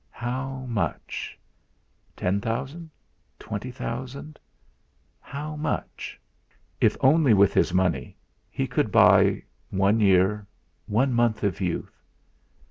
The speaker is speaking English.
'.ow much?' Ten thousand, twenty thousand how much? If only with his money he could buy one year, one month of youth.